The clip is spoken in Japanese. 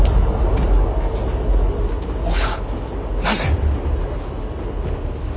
奥さんなぜ！？